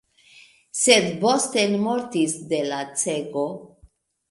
Sed Bosten mortis de lacego.